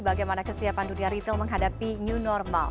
bagaimana kesiapan dunia retail menghadapi new normal